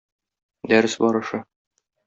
Дәрес барышы.